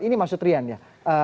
ini maksud rian ya